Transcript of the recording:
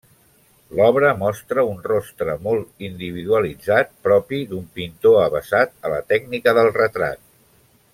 L'obra mostra un rostre molt individualitzat propi d'un pintor avesat a la tècnica del retrat.